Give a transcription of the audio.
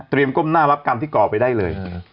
ก้มหน้ารับกรรมที่ก่อไปได้เลย